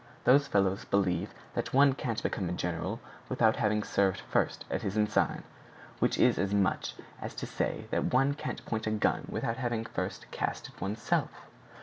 Those fellows believe that one can't become a general without having served first as an ensign; which is as much as to say that one can't point a gun without having first cast it oneself!"